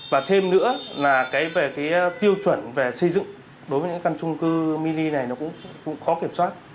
và thêm nữa là về cái tiêu chuẩn về xây dựng đối với những căn trung cư mini này nó cũng khó kiểm soát